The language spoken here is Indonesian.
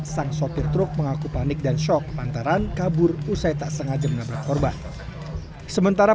sang sopir truk mengaku panik dan shock lantaran kabur usai tak sengaja menabrak korban sementara